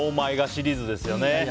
シリーズですよね。